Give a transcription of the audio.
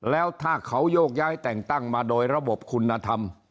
แล้วถ้าเขาโยกย้ายแต่งตั้งมาโดยระบบคุณธรรม